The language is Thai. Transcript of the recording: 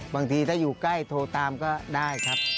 บางทีถ้าอยู่ใกล้โทรตามก็ได้ครับ